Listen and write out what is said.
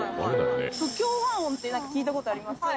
不協和音って何か聞いたことあります？